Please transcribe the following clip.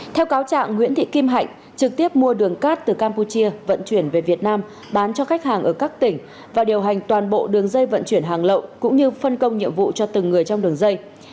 theo cáo trạng nguyễn thị kim hạnh trực tiếp mua đường cát từ campuchia vận chuyển về việt nam bán cho khách hàng ở các tỉnh và điều hành toàn bộ đường dây vận chuyển hàng lậu cũng như phân công nhiệm vụ cho từng người trong đường dây